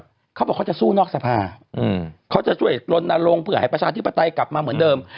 เขาบอกเขาจะสู้นอกสภาเขาจะช่วยลนลงเพื่อให้ประชาธิปไตยกลับมาเหมือนเดิม